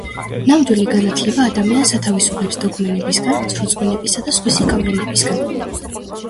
ნამდვილი განათლება ადამიანს ათავისუფლებს დოგმებისგან, ცრურწმენებისა და სხვისი გავლენებისგან